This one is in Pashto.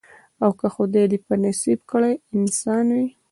او که خدای دي په نصیب کړی انسان وي